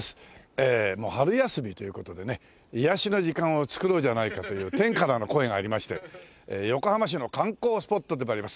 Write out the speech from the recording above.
え春休みという事でね癒やしの時間を作ろうじゃないかという天からの声がありまして横浜市の観光スポットでもあります